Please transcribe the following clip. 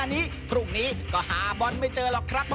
โอ้โฮพิษทางขนาดนี้ก็หาบอลไม่เจอหรอกครับพระคุณ